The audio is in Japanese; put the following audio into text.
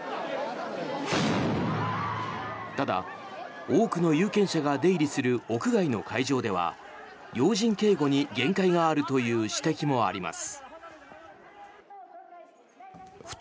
ただ、多くの有権者が出入りする屋外の会場では要人警護に限界があるという指摘もあります。